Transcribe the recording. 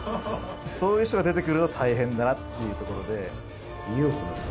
そういう人が出てくると大変だなっていうところで。